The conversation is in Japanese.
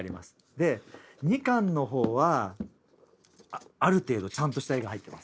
で２巻の方はある程度ちゃんとした絵が入ってます。